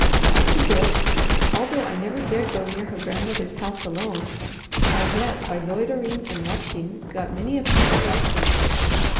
After this, although I never dared go near her grandmother's house alone, I yet, by loitering and watching, got many a peep of Elsie.